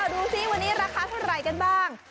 ดูสิวันนี้ราคาเท่าไหร่กันบ้าง